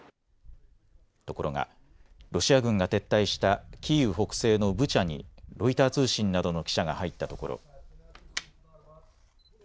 ところが、ロシア軍が撤退したキーウ北西のブチャにロイター通信などの記者が入ったところ。